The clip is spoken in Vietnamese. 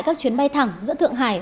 các chuyến bay thẳng giữa thượng hải